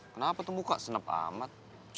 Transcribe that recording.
kenapa tuh buka senap amat